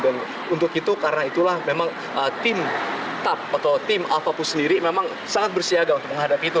dan untuk itu karena itulah memang tim tap atau tim al fapus liri memang sangat bersiaga untuk menghadapi itu